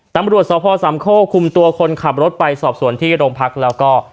ตำรวจสพสามโคกคุมตัวคนขับรถไปสอบส่วนที่โรงพักแล้วก็